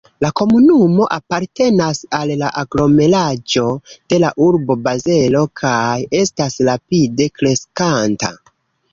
La komunumo apartenas al la aglomeraĵo de la urbo Bazelo kaj estas rapide kreskanta.